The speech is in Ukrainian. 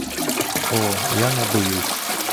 О, я не боюсь.